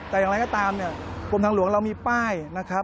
แต่อย่างไรก็ตามปรุงทางหลวงเรามีป้าย